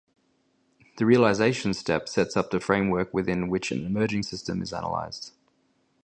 The Realization step sets up the framework within which an emerging system is analysed.